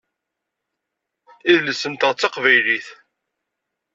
Idles-nteɣ d taqbaylit.